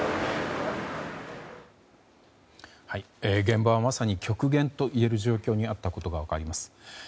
現場はまさに極限といえる状態にあったことが分かります。